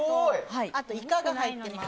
あとはイカが入ります。